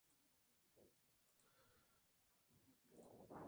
Era autoritario, soberbio, vanidoso y tenía una total falta de humor.